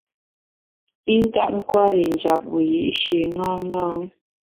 I ntap nkwer i njap wiyi’shi ṅaṅâ.